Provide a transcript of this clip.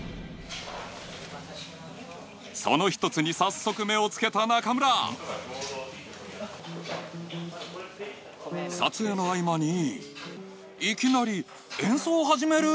その一つに早速目を付けた中村撮影の合間にいきなり演奏を始める？